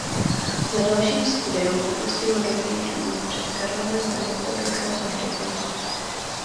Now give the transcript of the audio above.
Za dalším studiem opustil rodný dům a přes Karlovy Vary došel až do Plzně.